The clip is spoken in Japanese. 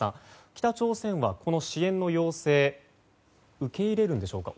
北朝鮮はこの支援の要請受け入れるのでしょうか。